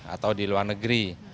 atau di luar negeri